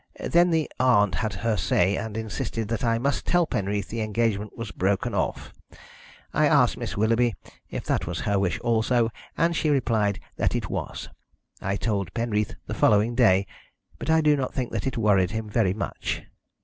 Then the aunt had her say, and insisted that I must tell Penreath the engagement was broken off. I asked Miss Willoughby if that was her wish also, and she replied that it was. I told Penreath the following day, but I do not think that it worried him very much."